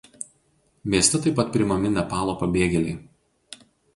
Mieste taip pat priimami Nepalo pabėgėliai.